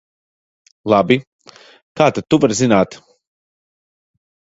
Labi, kā tad tu vari zināt?